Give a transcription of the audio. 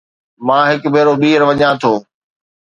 مان هڪ ڀيرو ٻيهر وڃان ٿو